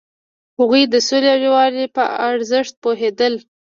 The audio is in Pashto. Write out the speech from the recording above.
هغوی د سولې او یووالي په ارزښت پوهیدل.